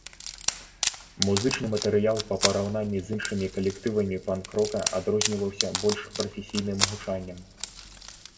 Музычны матэрыял па параўнанні з іншымі калектывамі панк-рока адрозніваўся больш прафесійным гучаннем.